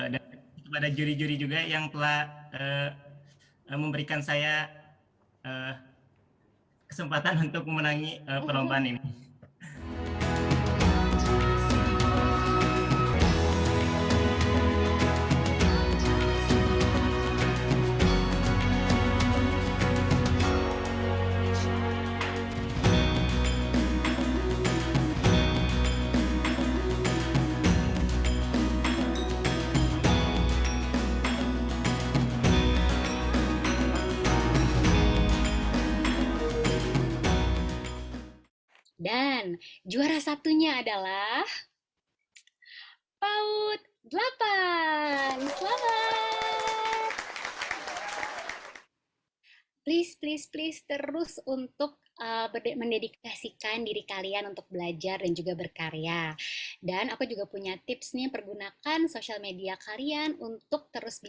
dan kepada juri juri juga yang telah memberikan saya kesempatan untuk memenangi perlombaan ini